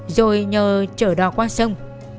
rồi nhờ trở đò qua sông